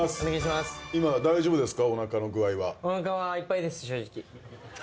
今大丈夫ですか？